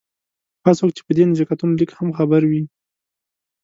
هر څوک چې په دې نزاکتونو لږ هم خبر وي.